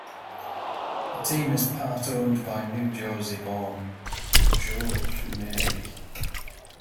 The team is part-owned by New-Jersey-born Joe Plumeri.